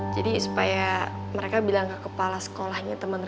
jadi supaya mereka bilang ke kepala sekolahnya temen reva